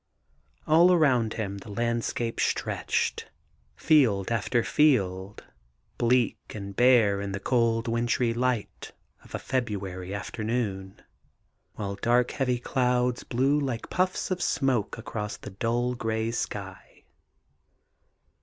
All around him the landscape stretched, field after field, bleak and bare in the cold wintry light of a February after noon, while dark heavy clouds blew like puffs of smoke across the dull grey sky.